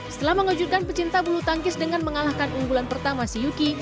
setelah mengejutkan pecinta bulu tangkis dengan mengalahkan unggulan pertama si yuki